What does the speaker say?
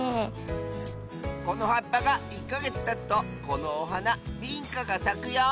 このはっぱが１かげつたつとこのおはなビンカがさくよ！